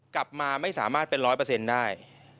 กลับมาไม่สามารถเป็นร้อยเปอร์เซ็นต์ได้